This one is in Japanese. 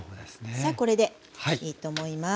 さあこれでいいと思います。